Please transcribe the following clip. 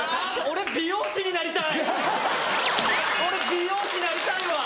俺美容師なりたいわ！